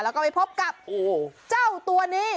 แล้วก็ไปพบกับเจ้าตัวนี้